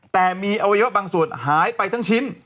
แต่มีอวัยวะบางส่วนหายไปทั้งชิ้น